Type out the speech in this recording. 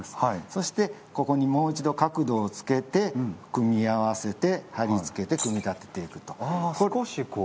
そして、ここにもう一度角度をつけて組み合わせて貼り付けて組み立てていくと。